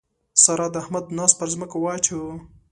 سارا د احمد ناز پر ځمکه واچاوو.